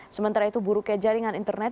sementara itu buruknya jaringan internet